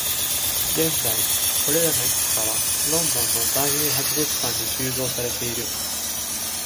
現在、これらのいくつかは、ロンドンの大英博物館に収蔵されている。